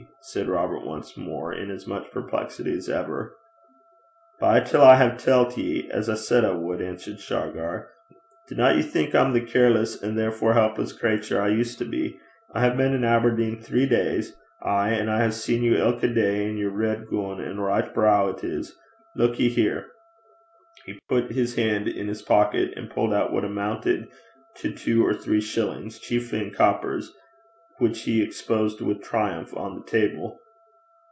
said Robert once more, in as much perplexity as ever. 'Bide till I hae tellt ye, as I said I wad,' answered Shargar. 'Dinna ye think I'm the haveless (careless and therefore helpless) crater I used to be. I hae been in Aberdeen three days! Ay, an' I hae seen you ilka day in yer reid goon, an' richt braw it is. Luik ye here!' He put his hand in his pocket and pulled out what amounted to two or three shillings, chiefly in coppers, which he exposed with triumph on the table.